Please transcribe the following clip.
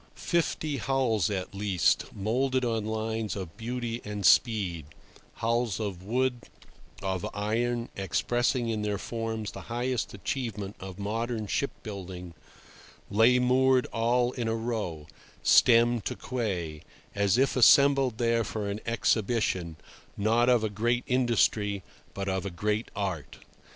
.." Fifty hulls, at least, moulded on lines of beauty and speed—hulls of wood, of iron, expressing in their forms the highest achievement of modern ship building—lay moored all in a row, stem to quay, as if assembled there for an exhibition, not of a great industry, but of a great art.